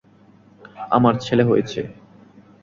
আমার ছেলে হয়েছে!